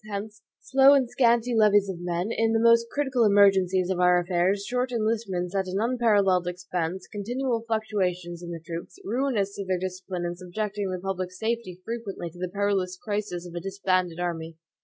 Hence, slow and scanty levies of men, in the most critical emergencies of our affairs; short enlistments at an unparalleled expense; continual fluctuations in the troops, ruinous to their discipline and subjecting the public safety frequently to the perilous crisis of a disbanded army.